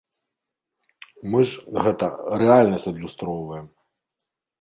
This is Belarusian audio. Мы ж, гэта, рэальнасць адлюстроўваем.